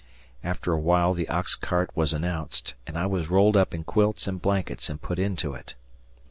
After a while the ox cart was announced, and I was rolled up in quilts and blankets and put into it.